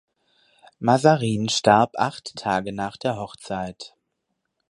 Mazarin starb acht Tage nach der Hochzeit.